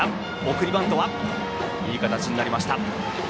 送りバントはいい形になりました。